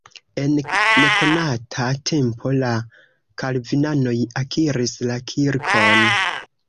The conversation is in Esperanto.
En nekonata tempo la kalvinanoj akiris la kirkon.